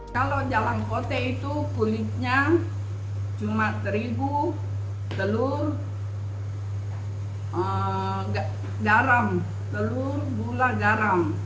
kalau jalan kote itu kulitnya cuma terigu telur garam telur gula garam